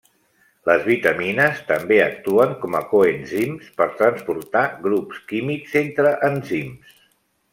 Les vitamines també actuen com a coenzims per transportar grups químics entre enzims.